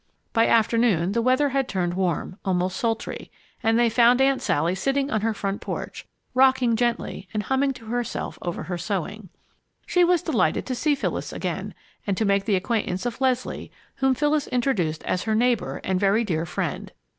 By afternoon, the weather had turned warm, almost sultry, and they found Aunt Sally sitting on her front porch, rocking gently and humming to herself over her sewing. She was delighted to see Phyllis again and to make the acquaintance of Leslie, whom Phyllis introduced as her neighbor and very dear friend.